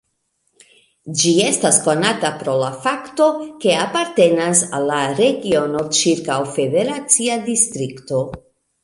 Ĝi estas konata pro la fakto, ke apartenas al la regiono ĉirkaŭ Federacia Distrikto.